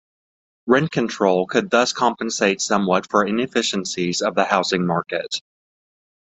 Rent control could thus compensate somewhat for inefficiencies of the housing market.